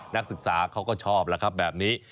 นักศึกษาเขาก็ชอบแบบนี้